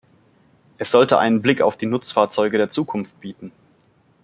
Es sollte einen Blick auf die Nutzfahrzeuge der Zukunft bieten.